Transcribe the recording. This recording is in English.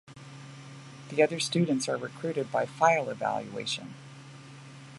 The others students are recruited by file evaluation.